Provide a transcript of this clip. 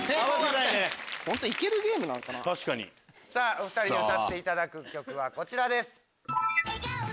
お２人に歌っていただく曲はこちらです。